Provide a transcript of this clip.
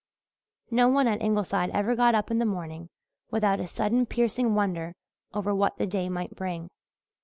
No one at Ingleside ever got up in the morning without a sudden piercing wonder over what the day might bring.